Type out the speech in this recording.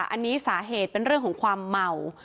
อันนี้สาเหตุเป็นเรื่องของความเมา